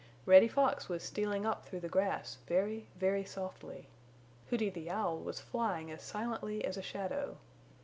Reddy Fox was stealing up through the grass very, very softly. Hooty the Owl was flying as silently as a shadow.